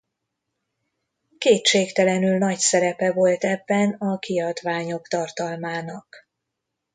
Kétségtelenül nagy szerepe volt ebben a kiadványok tartalmának.